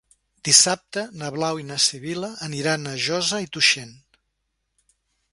Dissabte na Blau i na Sibil·la aniran a Josa i Tuixén.